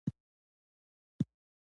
دا امکان نه لري چې زه یو سړی.